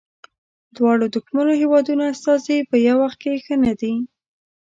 دواړو دښمنو هیوادونو استازي په یوه وخت کې ښه نه دي.